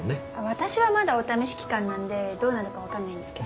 私はまだお試し期間なんでどうなるか分かんないんですけど。